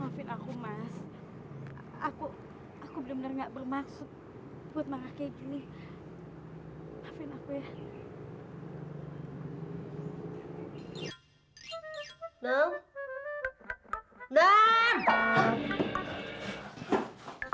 maafin aku mas aku bener bener nggak bermaksud buat marah kayak gini maafin aku ya